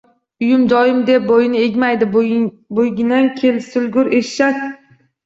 Uyim-joyim deb bo‘yini egmaydi, bo‘yniginang kesilgur, eshshak!